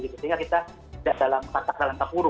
sehingga kita tidak dalam kata kata yang takur